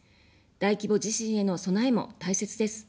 大規模地震への備えも大切です。